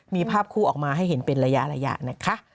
มีภาพคู่ออกมาให้เห็นเป็นระยะนะคะ